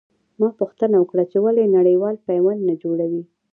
ما پوښتنه وکړه چې ولې نړېوال پیوند نه جوړوي.